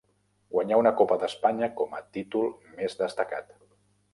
Guanyà una copa d'Espanya, com a títol més destacat.